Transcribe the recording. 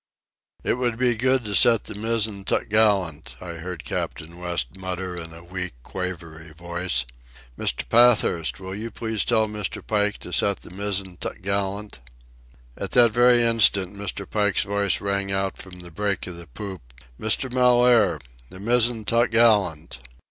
"It would be good to set the mizzen topgallant," I heard Captain West mutter in a weak, quavery voice. "Mr. Pathurst, will you please tell Mr. Pike to set the mizzen topgallant?" And at that very instant Mr. Pike's voice rang out from the break of the poop: "Mr. Mellaire!—the mizzen topgallant!"